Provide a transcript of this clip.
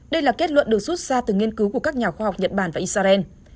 đây là kết luận được rút ra từ nghiên cứu của các nhà khoa học nhật bản và israel